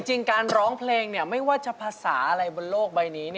จริงการร้องเพลงไม่ว่าจะภาษาอะไรบนโลกใบนี้